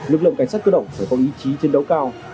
lực lượng cảnh sát cơ động phải có ý chí chiến đấu cao